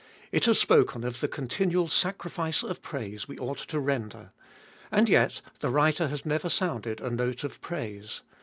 It has spoken of the continual sacrifice of praise we ought to render. And yet the writer has never sounded a note of praise.